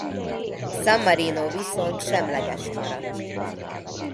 San Marino viszont semleges maradt.